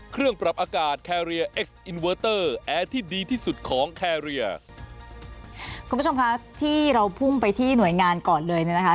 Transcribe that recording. คุณผู้ชมคะที่เราพุ่งไปที่หน่วยงานก่อนเลยเนี่ยนะคะ